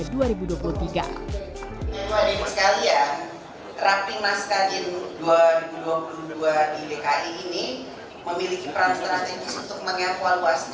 yang paling sekalian rapin nas kadin dua ribu dua puluh dua di dki ini memiliki peran strategis untuk mengevaluasi